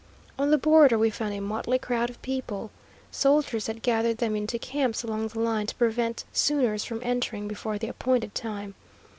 On the border we found a motley crowd of people. Soldiers had gathered them into camps along the line to prevent "sooners" from entering before the appointed time.